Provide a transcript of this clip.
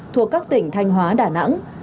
thuộc các tỉnh thanh hóa đà nẵng